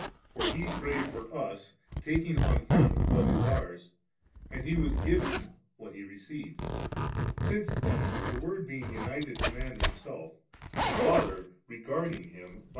For He prayed for us, taking on Him what is ours, and He was giving what He received Since then, the Word being united to man himself the Father, regarding Him, Or.